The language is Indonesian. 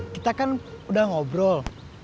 kita kan udah ngobrol